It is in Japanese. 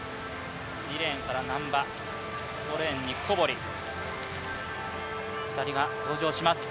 ２レーンから難波、５レーンに小堀、２人が登場します。